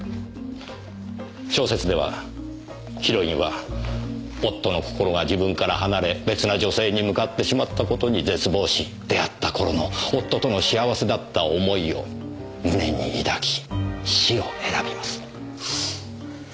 小説ではヒロインは夫の心が自分から離れ別な女性に向かってしまった事に絶望し出会った頃の夫との幸せだった思いを胸に抱き死を選びます。